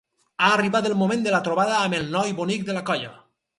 Ha arribat el moment de la trobada amb el noi bonic de la colla.